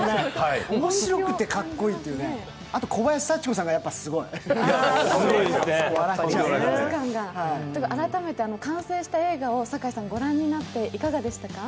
面白くてかっこいいというね、あと小林幸子さんがすごい、笑っちゃう改めて、完成した映画を御覧になっていかがでしたか？